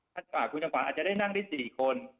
คุณฝันก็อาจจะได้นั่งได้๔คน